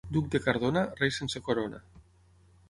Duc de Cardona, rei sense corona.